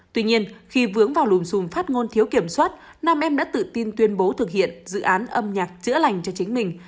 tuy nhiên khi vướng vào lùm xùm phát ngôn thiếu kiểm soát nam em đã tự tin tuyên bố thực hiện dự án âm nhạc chữa lành cho chính mình